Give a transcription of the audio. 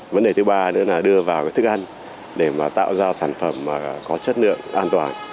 vấn đề thứ ba nữa là đưa vào thức ăn để tạo ra sản phẩm có chất lượng an toàn